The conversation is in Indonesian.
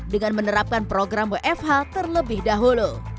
menggunakan program wfh terlebih dahulu